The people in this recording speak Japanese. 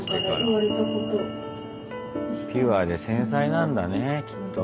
ピュアで繊細なんだねえきっと。